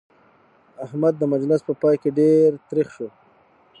احمد د مجلس په پای کې ډېر تريخ شو.